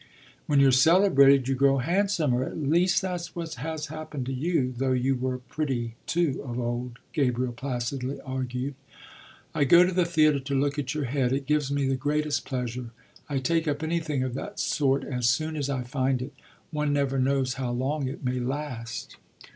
"When you're celebrated you grow handsomer; at least that's what has happened to you, though you were pretty too of old," Gabriel placidly argued. "I go to the theatre to look at your head; it gives me the greatest pleasure. I take up anything of that sort as soon as I find it. One never knows how long it may last."